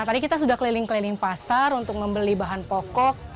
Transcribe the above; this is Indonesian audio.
tadi kita sudah keliling keliling pasar untuk membeli bahan pokok